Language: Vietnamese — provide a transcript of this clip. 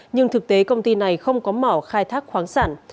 nhưng thực tế công ty này không có mỏ khai thác khoáng sản